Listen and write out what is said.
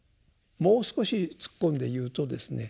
もう少し突っ込んで言うとですね